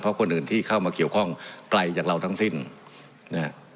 เพราะคนอื่นที่เข้ามาเกี่ยวข้องไกลจากเราทั้งสิ้นนะฮะ